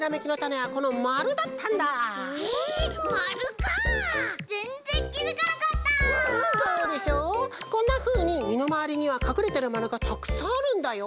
こんなふうにみのまわりにはかくれてるまるがたくさんあるんだよ。